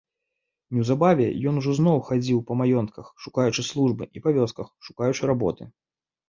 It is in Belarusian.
Неўзабаве ён ужо зноў хадзіў па маёнтках, шукаючы службы, і па вёсках, шукаючы работы.